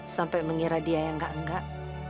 sampai mengira dia yang enggak enggak